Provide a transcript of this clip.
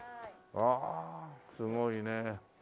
わあすごいねえ。